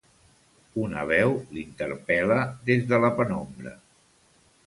Una veu l'interpel·la des de la penombra.